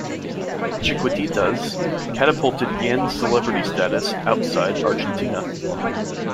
"Chiquititas" catapulted Yan's celebrity status outside Argentina.